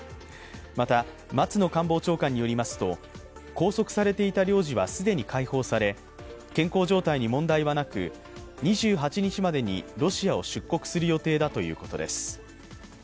また、松野官房長官によりますと拘束されていた領事は既に解放され健康状態に問題はなく２８日までにロシアを出国する予定だということです。